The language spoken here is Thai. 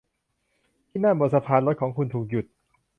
ที่นั่น บนสะพาน รถของคุณถูกหยุด